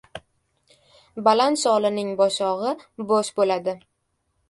• Baland sholining boshog‘i bo‘sh bo‘ladi.